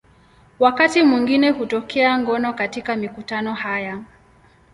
Wakati mwingine hutokea ngono katika mikutano haya.